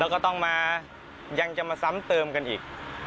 แล้วก็ต้องมายังจะมาซ้ำเติมกันอีก